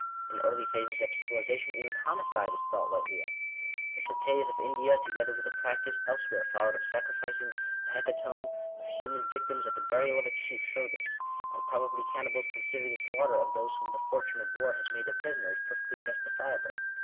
In early phases of civili zation even homicide is thought lightly of. The suttees of India, together with the practice elsewhere followed of sacri ficing a hecatomb of human victims at the burial of a chief, show this : and probably cannibals consider the slaughter of those whom " the fortune of war " has made their prisoners, perfectly justifiable.